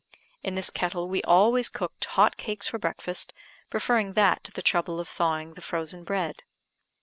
In this kettle we always cooked hot cakes for breakfast, preferring that to the trouble of thawing the frozen bread.